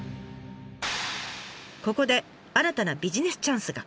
ここで新たなビジネスチャンスが。